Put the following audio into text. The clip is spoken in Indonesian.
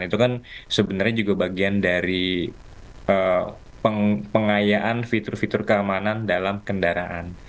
itu kan sebenarnya juga bagian dari pengayaan fitur fitur keamanan dalam kendaraan